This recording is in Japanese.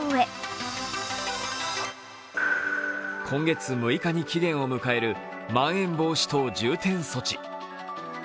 今月６日に期限を迎えるまん延防止等重点措置。